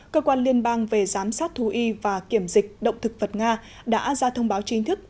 cơ quan liên bang về giám sát thú y và kiểm dịch động thực vật nga đã ra thông báo chính thức